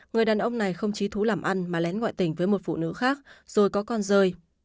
người đàn ông này không chí thú làm ăn mà lén ngoại tỉnh với một phụ nữ khác rồi có con rơi